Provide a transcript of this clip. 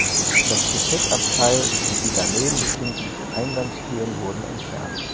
Das Gepäckabteil und die daneben befindlichen Eingangstüren wurden entfernt.